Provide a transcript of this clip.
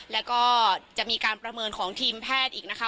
แล้วก็จะมีการประเมินของทีมแพทย์อีกนะคะ